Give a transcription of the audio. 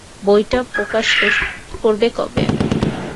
বইটা প্রকাশ করবে কবে?